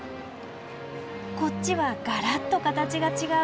こっちはがらっと形が違う。